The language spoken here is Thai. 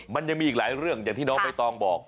มันยังมีอีกหลายเรื่องอย่างที่น้องใบตองบอก